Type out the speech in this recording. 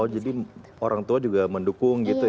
oh jadi orang tua juga mendukung gitu ya